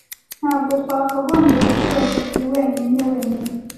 Ntabwo twakagombye gusiga Josehl wenyine wenyine.